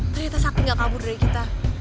ternyata sakit gak kabur dari kita